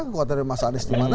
kekuatannya mas anies di mana